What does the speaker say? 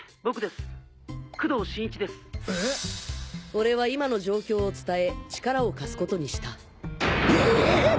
俺は今の状況を伝え力を貸すことにしたえっ